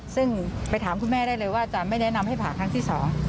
ซึ่งไปถามคุณแม่ได้เลยว่าจะไม่แนะนำให้ผ่าครั้งที่สอง